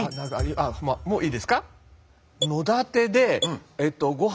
あっもういいですか？